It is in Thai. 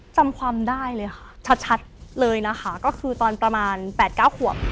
จำความได้เลยค่ะชัดเลยนะคะก็คือตอนประมาณ๘๙ขวบ